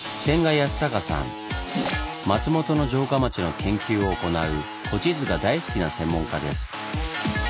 松本の城下町の研究を行う古地図が大好きな専門家です。